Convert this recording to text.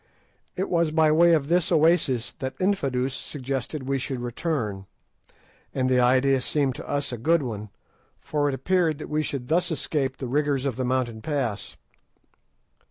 It was by way of this oasis that Infadoos suggested we should return, and the idea seemed to us a good one, for it appeared that we should thus escape the rigours of the mountain pass.